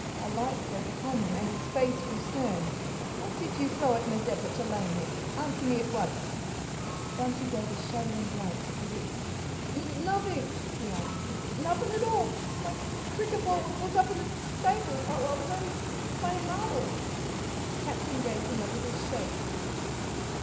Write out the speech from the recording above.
A light broke upon him, and his face grew stern. "What did you throw at Mazeppa to lame him? Answer me at once." Bunty gave a shuddering glance at the whip. "N n nothin'," he answered "n nothin' at all. My c c cricket b ball was up in the st st stables. I was only p p playin' marbles." The Captain gave him a little shake.